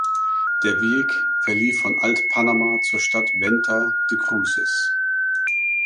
Der Weg verlief von Alt-Panama zur Stadt Venta de Cruces.